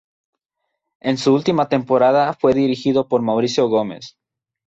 En su última temporada fue dirigido por Mauricio Gómez.